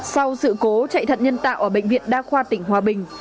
sau sự cố chạy thận nhân tạo ở bệnh viện đa khoa tỉnh hòa bình